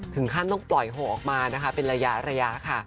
ถึงขั้นต้องปล่อยโฮออกมานะคะเป็นระยะค่ะ